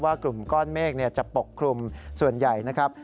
กลุ่มก้อนเมฆจะปกคลุมส่วนใหญ่นะครับ